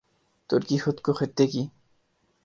ترکی خود کو خطے کی